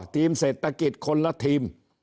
ทีมเศรษฐกิจคนละทีม